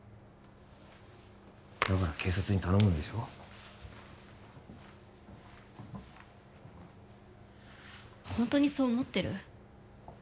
だから警察に頼むんでしょホントにそう思ってる？